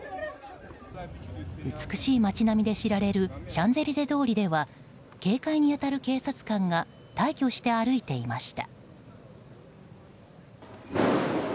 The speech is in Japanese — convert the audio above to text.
美しい町並みで知られるシャンゼリゼ通りでは警戒に当たる警察官が大挙して歩いていました。